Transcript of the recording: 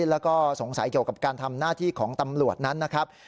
แล้วก็สงสัยเกี่ยวกับการทำหน้าที่ของตำรวจนั้นนะครับ